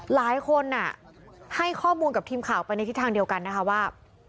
หลายคนให้ข้อมูลกับทีมข่าวไปในทิศทางเดียวกันนะคะว่า